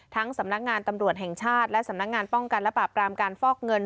สำนักงานตำรวจแห่งชาติและสำนักงานป้องกันและปราบรามการฟอกเงิน